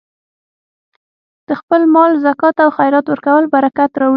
د خپل مال زکات او خیرات ورکول برکت راوړي.